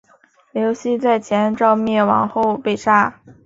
刘熙在前赵灭亡后被杀。